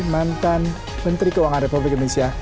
mantan menteri keuangan republik indonesia